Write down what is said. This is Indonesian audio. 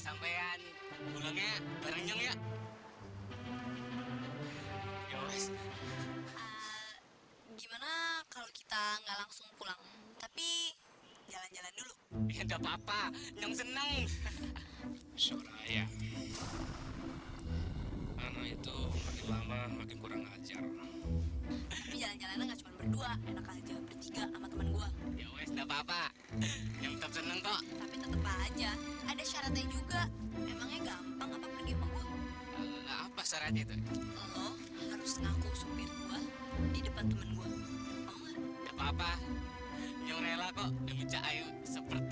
sampai anjanya gimana kalau kita nggak langsung pulang tapi jalan jalan dulu enggak papa nyamper